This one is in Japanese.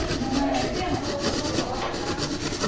奥山に戻そうと思ってる。